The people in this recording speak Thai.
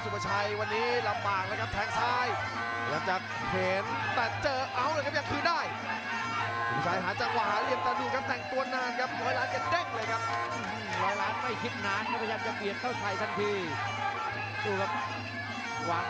โอ้เจอความสดบดความเก๋าแบบนี้ชักมีปัญหานะครับ